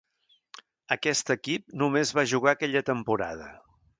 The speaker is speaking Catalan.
Aquest equip només va jugar aquella temporada.